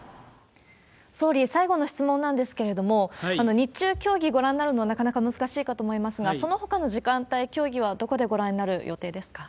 総理、最後の質問なんですけれども、日中競技ご覧になるのはなかなか難しいかと思いますが、そのほかの時間帯、競技はどこでご覧になる予定ですか？